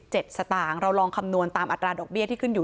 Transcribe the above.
สตางค์เราลองคำนวณตามอัตราดอกเบี้ยที่ขึ้นอยู่